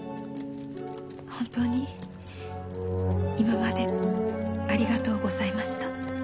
本当に今までありがとうございました」